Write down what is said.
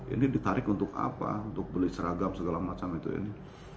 ini ditarik untuk apa untuk beli seragam segala macam itu ini